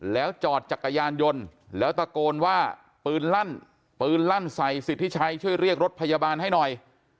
แล้วจอดจักรยานยนต์แล้วตะโกนว่าปืนลั่นปืนลั่นใส่สิทธิชัยช่วยเรียกรถพยาบาลให้หน่อย